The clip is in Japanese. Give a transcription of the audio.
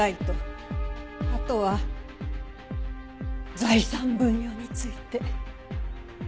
あとは財産分与について。